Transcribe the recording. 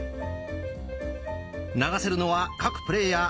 流せるのは各プレーヤー１